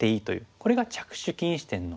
これが着手禁止点の例外。